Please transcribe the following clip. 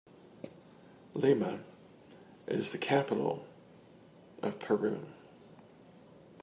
Lima is the capital of Peru.